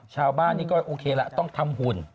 ชาวบ้านนี้ก็โอเคละต้องทำหุ่น